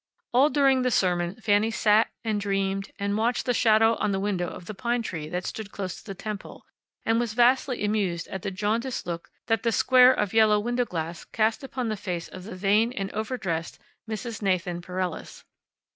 All during the sermon Fanny sat and dreamed and watched the shadow on the window of the pine tree that stood close to the temple, and was vastly amused at the jaundiced look that the square of yellow window glass cast upon the face of the vain and overdressed Mrs. Nathan Pereles.